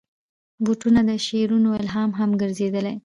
بوټونه د شعرونو الهام هم ګرځېدلي.